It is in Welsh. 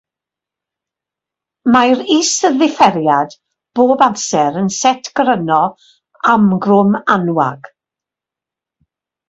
Mae'r is-ddifferiad bob amser yn set gryno amgrwm anwag.